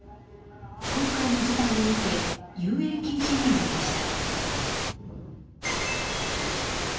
今回の事態を受け遊泳禁止になりました。